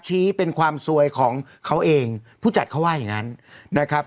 ชี้เป็นความซวยของเขาเองผู้จัดเขาว่าอย่างงั้นนะครับ